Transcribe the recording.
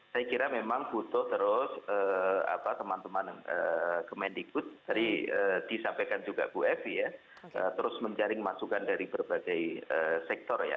saya kira memang butuh terus teman teman kemendikbud tadi disampaikan juga bu evi ya terus menjaring masukan dari berbagai sektor ya